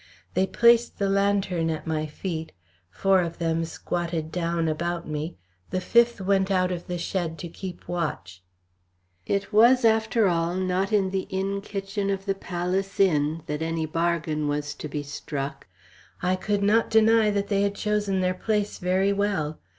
They placed the lantern at my feet, four of them squatted down about me, the fifth went out of the shed to keep watch. It was, after all, not in the inn kitchen of the Palace Inn that any bargain was to be struck. I could not deny that they had chosen their place very well.